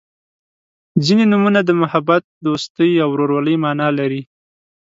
• ځینې نومونه د محبت، دوستۍ او ورورولۍ معنا لري.